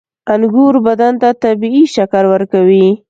• انګور بدن ته طبیعي شکر ورکوي.